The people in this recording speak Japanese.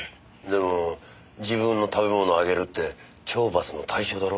でも自分の食べ物あげるって懲罰の対象だろ？